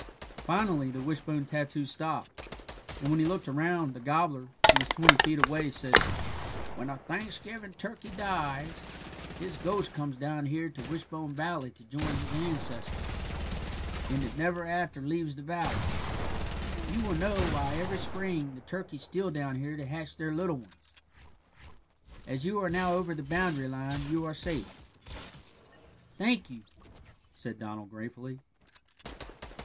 Finally the wishbone tattoo stopped, and when he looked around, the gobbler, who was twenty feet away, said: "When a Thanksgiving turkey dies, his ghost comes down here to Wishbone Valley to join his ancestors, and it never after leaves the valley. You will now know why every spring the turkeys steal down here to hatch their little ones. As you are now over the boundary line you are safe." "Thank you," said Donald gratefully.